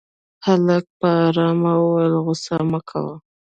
هلک په آرامه وويل غوسه مه کوه.